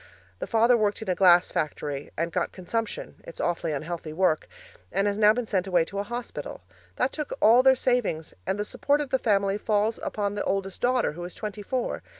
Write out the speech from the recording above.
The father worked in a glass factory and got consumption it's awfully unhealthy work and now has been sent away to a hospital. That took all their savings, and the support of the family falls upon the oldest daughter, who is twenty four.